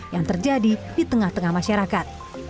yang terjadi di tengah tengah masyarakat